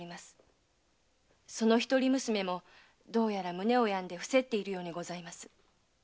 その一人娘もどうやら胸を病んで臥せっているようです。